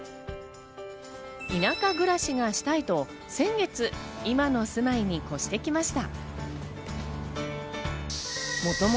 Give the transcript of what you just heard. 田舎暮らしがしたいと先月今の住まいに越してきました。